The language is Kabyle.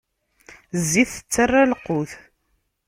Zzit tettara lqut.